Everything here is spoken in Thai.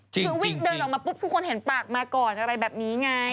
คือวิ่งเดินออกมาปุ๊บทุกคนเห็นปากมาก่อนอะไรแบบนี้ไง